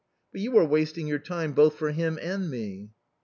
But you are wasting your time both with him and me."